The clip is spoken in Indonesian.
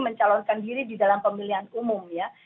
mencalonkan diri di dalam pemilihan umum ya